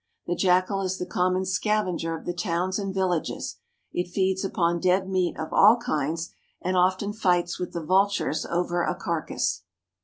The jackal is the common scavenger of the towns and villages ; it feeds upon dead meat of all kinds, and often fights with the vultures over a carcass.